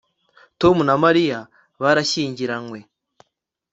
Tom na Mariya barashyingiranywe